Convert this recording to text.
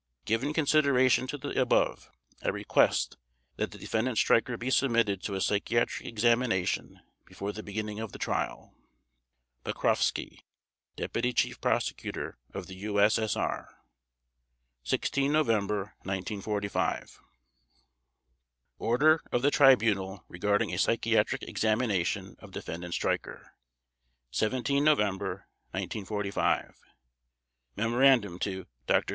Given consideration to the above, I request that the Defendant Streicher be submitted to a psychiatric examination before the beginning of the Trial. /s/ POKROVSKY Deputy Chief Prosecutor of the U.S.S.R. 16 November 1945 ORDER OF THE TRIBUNAL REGARDING A PSYCHIATRIC EXAMINATION OF DEFENDANT STREICHER 17 November 1945 MEMORANDUM TO: DR.